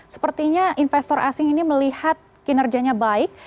sepertinya investor asing ini melihat kinerjanya baik